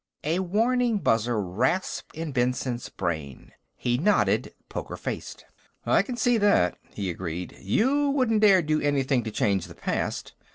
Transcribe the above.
A warning buzzer rasped in Benson's brain. He nodded, poker faced. "I can see that," he agreed. "You wouldn't dare do anything to change the past.